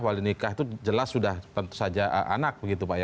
wali nikah itu jelas sudah tentu saja anak begitu pak ya